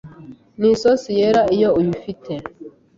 n’isosi yera iyo uyifite